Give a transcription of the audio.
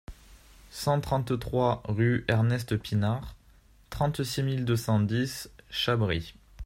cent trente-trois rue Ernest Pinard, trente-six mille deux cent dix Chabris